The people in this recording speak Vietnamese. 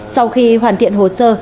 sau khi hoàn thiện hồ sơ